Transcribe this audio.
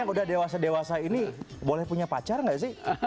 udah dewasa dewasa ini boleh punya pacar gak sih